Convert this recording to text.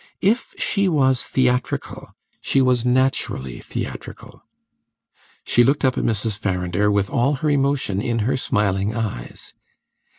If she was theatrical, she was naturally theatrical. She looked up at Mrs. Farrinder with all her emotion in her smiling eyes.